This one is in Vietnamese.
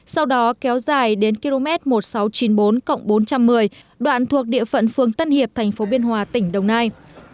sau đó kéo dài đến km một nghìn sáu trăm chín mươi bốn bốn trăm một mươi đoạn thuộc địa phận phường tân hiệp tp biên hòa tỉnh đồng nai